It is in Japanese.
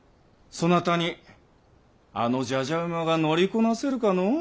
そなたにあのじゃじゃ馬が乗りこなせるかのう。